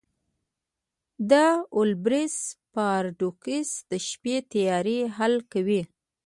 د اولبرس پاراډوکس د شپې تیاره حل کوي.